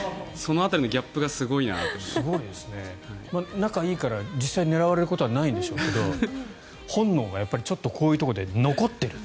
仲がいいから実際に狙われることはないんでしょうけど本能がやっぱりちょっとこういうところで残っていると。